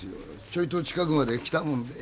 ちょいと近くまで来たもんで。